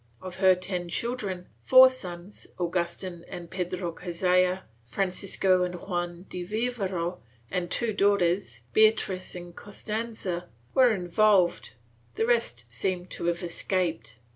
Of her ten children, four sons, Agustin and Pedro Cazalla, Francisco and Juan de Vivero, and two daughters, Beatriz and Costanza, were involved ; the rest seem to have escaped.